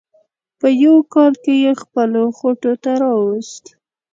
په یوه کال کې یې خپلو خوټو ته راوست.